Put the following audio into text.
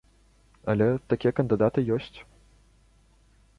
Але такія кандыдаты ёсць.